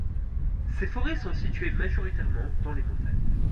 Ces forêts sont situées majoritairement dans les montagnes.